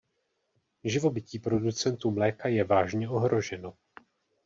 Živobytí producentů mléka je vážně ohroženo.